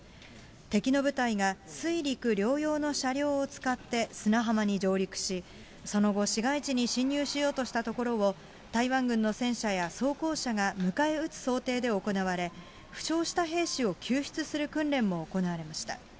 敵の部隊が水陸両用の車両を使って砂浜に上陸し、その後、市街地に侵入しようとしたところを、台湾軍の戦車や装甲車が迎え撃つ想定で行われ、負傷した兵士を救出する訓練も行われました。